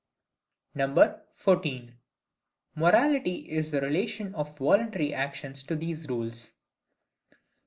14. Morality is the Relation of Voluntary Actions to these Rules.